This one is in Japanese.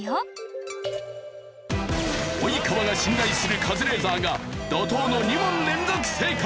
及川が信頼するカズレーザーが怒濤の２問連続正解。